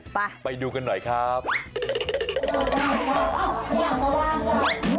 ป่ะไปดูกันหน่อยครับป่ะไปดูกันหน่อยครับ